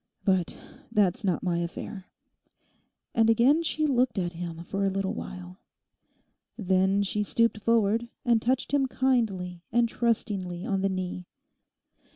'But that's not my affair.' And again she looked at him for a little while. Then she stooped forward and touched him kindly and trustingly on the knee.